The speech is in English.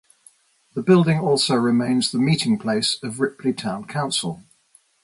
The building also remains the meeting place of Ripley Town Council.